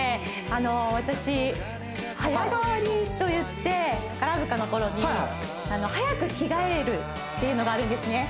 あの私「早がわり」といって宝塚の頃に早く着替えるっていうのがあるんですね